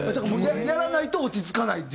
やらないと落ち着かないっていう？